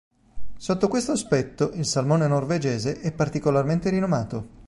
Sotto questo aspetto il salmone norvegese è particolarmente rinomato.